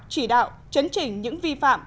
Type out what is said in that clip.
chỉ đạo chấn trình những vi phạm